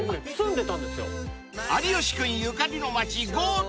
［有吉君ゆかりの町］